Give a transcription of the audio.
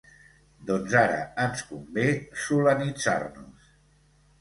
Doncs ara ens convé "solanitzar-nos".